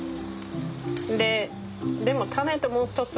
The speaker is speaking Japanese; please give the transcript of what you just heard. でもタネともう一つ